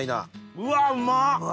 うわうまっ。